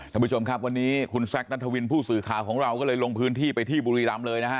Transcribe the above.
ท่านผู้ชมครับวันนี้คุณแซคนัทวินผู้สื่อข่าวของเราก็เลยลงพื้นที่ไปที่บุรีรำเลยนะฮะ